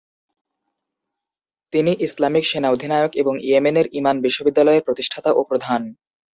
তিনি ইসলামিক সেনা-অধিনায়ক এবং ইয়েমেনের ঈমান বিশ্ববিদ্যালয়ের প্রতিষ্ঠাতা ও প্রধান।